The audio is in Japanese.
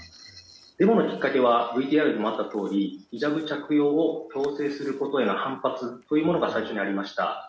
デモのきっかけはＶＴＲにもあったとおりヒジャブ着用を強制することへの反発が最初にありました。